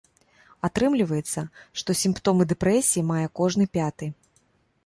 Атрымліваецца, што сімптомы дэпрэсіі мае кожны пяты.